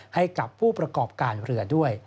ให้กับผู้ประกอบการเรือด้วย